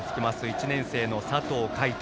１年生の佐藤海斗。